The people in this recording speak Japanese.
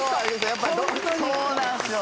やっぱそうなんですよ！